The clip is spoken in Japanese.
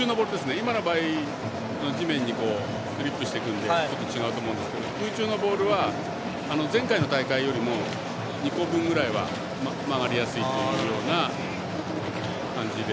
今の場合地面にスリップしていくのでちょっと違うと思うんですが空中のボールは前回の大会よりも２個分は曲がりやすいというような感じで。